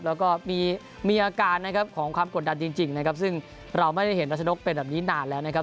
แล้วก็มีอาการนะครับของความกดดันจริงนะครับซึ่งเราไม่ได้เห็นรัชนกเป็นแบบนี้นานแล้วนะครับ